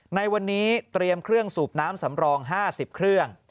ในวันนี้เตรียมเครื่องสูบน้ำสำรอง๕๐เครื่อง